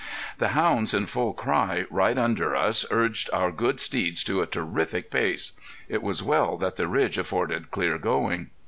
The hounds in full cry right under us urged our good steeds to a terrific pace. It was well that the ridge afforded clear going.